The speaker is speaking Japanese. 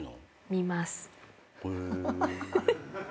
見ます。